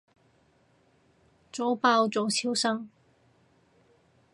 早爆早超生